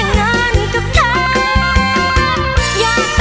อยากแต่งานกับเธออยากแต่งานกับเธอ